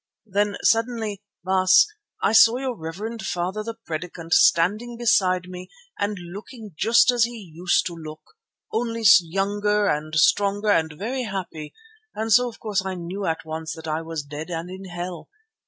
Then, Baas, suddenly I saw your reverend father, the Predikant, standing beside me and looking just as he used to look, only younger and stronger and very happy, and so of course knew at once that I was dead and in hell.